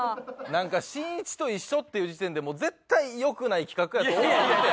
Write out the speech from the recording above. なんかしんいちと一緒っていう時点で絶対良くない企画やと思っててん俺は。